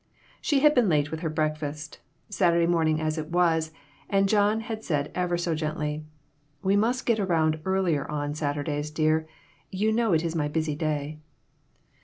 She had been late with her breakfast, Saturday morning as it was, and John had said ever so gently "We must get around earlier on Saturdays, dear ; you know it is my busy day."